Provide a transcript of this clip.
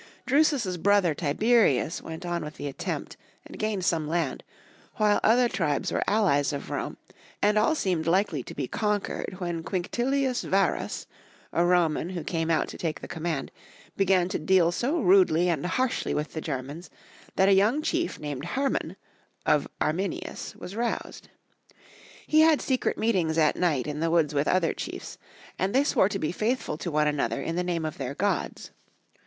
Drusus' brother Tiberius went on with the at tempt, and gained some land, while other tribes were allies of Rome, and all seemed likely to be conquered, when Quinctilius Varus, a Roman who came out to take the command, began to deal so rudely and harshly with the Germans that a young chief named Herman, of Arminius, was roused. He had secret meetings at night in the woods with other chiefs, and they swore to be faithful to one The Grermans and Momans. 85 anotlier in the name of their gods.